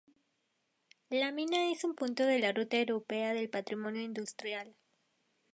La mina es un punto de la Ruta Europea del Patrimonio Industrial.